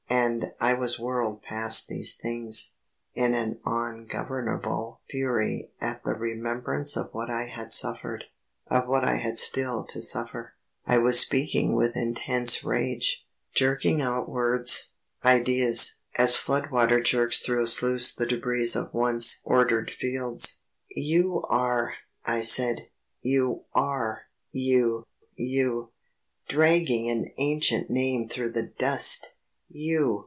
And I was whirled past these things, in an ungovernable fury at the remembrance of what I had suffered, of what I had still to suffer. I was speaking with intense rage, jerking out words, ideas, as floodwater jerks through a sluice the débris of once ordered fields. "You are," I said, "you are you you dragging an ancient name through the dust you